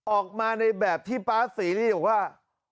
ออกมาในแบบที่ป้าเสรีนี่อยู่ว่า